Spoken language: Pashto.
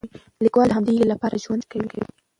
لیکوال د همدې هیلې لپاره ژوند کوي.